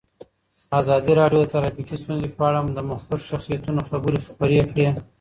ازادي راډیو د ټرافیکي ستونزې په اړه د مخکښو شخصیتونو خبرې خپرې کړي.